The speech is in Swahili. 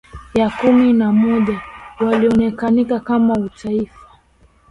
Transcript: ya kumi na moja walionekana kama utaifa